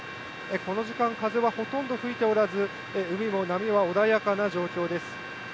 この時間、風はほとんど吹いておらず、海も波は穏やかな状況です。